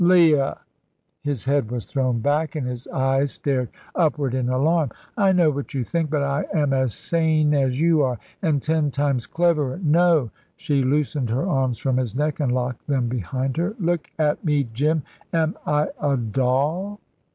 "Leah!" His head was thrown back, and his eyes stared upward in alarm. "I know what you think, but I am as sane as you are, and ten times cleverer. No"; she loosened her arms from his neck and locked them behind her. "Look at me, Jim. Am I a doll?"